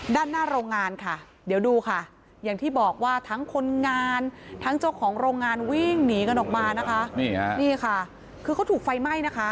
ด้านหน้าโรงงานค่ะเดี๋ยวดูค่ะอย่างที่บอกว่าทั้งคนงานทั้งเจ้าของโรงงานวิ่งหนีกันออกมานะคะนี่ฮะนี่ค่ะคือเขาถูกไฟไหม้นะคะ